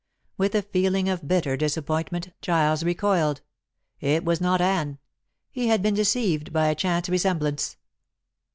With a feeling of bitter disappointment Giles recoiled. It was not Anne. He had been deceived by a chance resemblance.